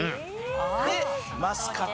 でマスカット。